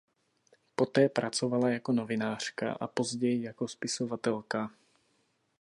Poté pracovala jako novinářka a později jako spisovatelka.